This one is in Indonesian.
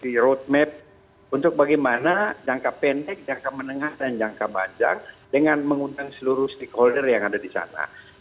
karena kita berpikir bahwa kita harus mencari langkah pendek langkah menengah dan langkah panjang dengan menguntung seluruh stakeholder yang ada di sana